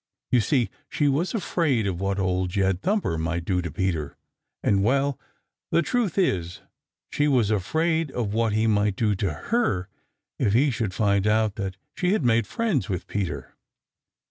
You see, she was afraid of what Old Jed Thumper might do to Peter, and well, the truth is she was afraid of what he might do to her if he should find out that she had made friends with Peter.